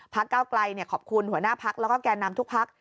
เก้าไกลขอบคุณหัวหน้าพักแล้วก็แก่นำทุกพัก